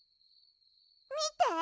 みて。